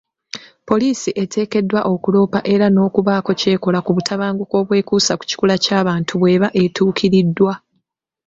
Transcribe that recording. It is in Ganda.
Poliisi eteekeddwa okuloopa era n'okubaako kyekola ku butabanguko obwekuusa ku kikula ky'abantu bweba etuukiriddwa.